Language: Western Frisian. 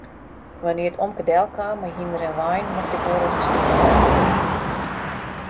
Wannear't omke delkaam mei hynder en wein mocht ik wolris in stikje meiride.